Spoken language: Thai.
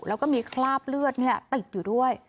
แล้วก็มีคราบเลือดติดอยู่ด้วย